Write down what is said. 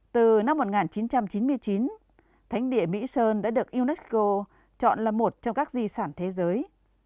từ năm một nghìn chín trăm chín mươi chín thánh địa mỹ sơn đã được unesco chọn là một trong các di sản thế giới